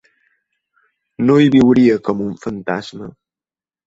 No hi viuria com un fantasma.